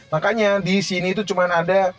makanya disini itu cuman ada